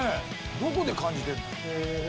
どこで感じてる？